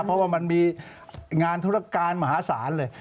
เพราะว่ามันมีงานธุรการมหาศาลเลย